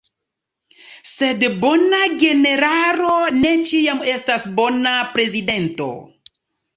Sed bona generalo ne ĉiam estas bona prezidento.